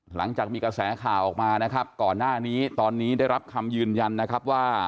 หลังจากมีกระแสข่าวออกมานะครับก่อนหน้านี้ตอนนี้ได้รับคำยืนยันนะครับว่า